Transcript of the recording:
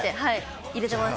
入れてます。